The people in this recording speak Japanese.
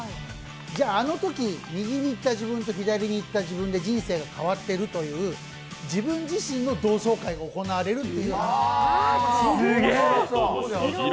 じゃあ、あのとき右に行った自分と左に行った自分で人生が変わっているという、自分自身の同窓会が行われると。